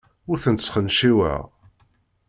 Ur tent-sxenciweɣ.